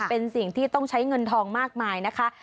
เป็นสิ่งที่ต้องใช้เงินทองมากมายนะคะ